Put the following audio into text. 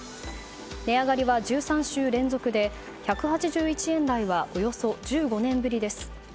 値上がりは１３週連続で１８１円台はおよそ１５年ぶりです。